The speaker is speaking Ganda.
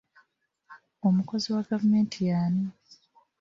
Omukozi wa gavumenti y'ani?